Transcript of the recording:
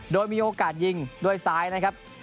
โดยมีโอกาสยิงด้วยซ้ายนะครับ